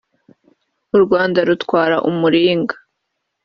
u Rwanda rutwara umuringa